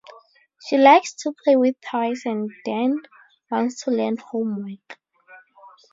She likes to play with toys and then wants to learn homework.